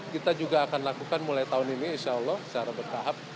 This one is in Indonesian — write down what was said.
kita juga akan lakukan mulai tahun ini insya allah secara bertahap